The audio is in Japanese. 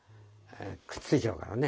くっついちゃうからね。